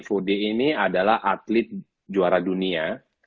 fude ini adalah atlet juara dunia